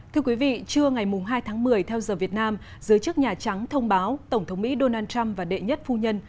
thưa quý vị trưa ngày hai tháng một mươi theo giờ việt nam giới chức nhà trắng thông báo tổng thống mỹ donald trump và đệ nhất phu nhân